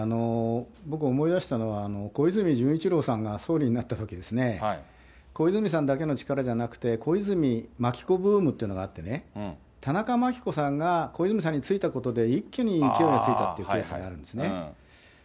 僕思い出したのは、小泉純一郎さんが総理になったときですね、小泉さんだけの力じゃなくて、小泉・まきこブームというのがあってね、田中眞紀子さんが小泉さんについたことで一気に勢いがついたというケースがあるんですね。